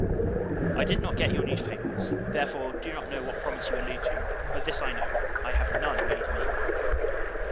I did not get your newspapers; therefore, do not know what promise you allude to: but this I know, I have none made me.